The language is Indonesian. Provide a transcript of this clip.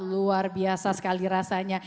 luar biasa sekali rasanya